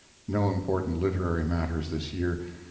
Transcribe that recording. (No important literary matters this year.